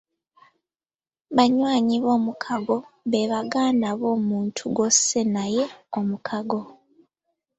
Banywanyi b’omukago be baganda b’omuntu gw’osse naye omukago.